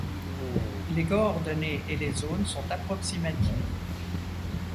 Les coordonnées et les zones sont approximatives.